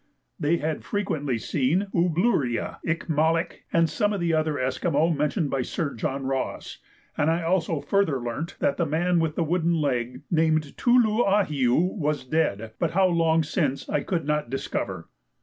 They had frequently seen Ooblooria, Ikmallik, and some of the other Esquimaux mentioned by Sir John Ross, and I also further learnt that the man with the wooden leg, named Tulluahiu, was dead, but how long since I could not discover.